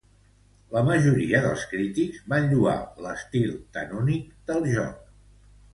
La majoria dels crítics van lloar l'estil tan únic del joc.